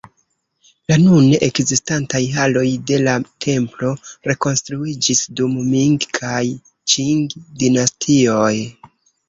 La nune ekzistantaj haloj de la templo rekonstruiĝis dum Ming- kaj Ĉing-dinastioj.